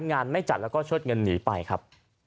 งานไม่จัดแล้วก็เชิดเงินหนีไปครับ